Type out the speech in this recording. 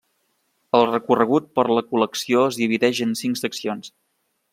El recorregut per la col·lecció es divideix en cinc seccions.